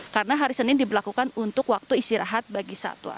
karena hari senin diberlakukan untuk waktu istirahat bagi satwa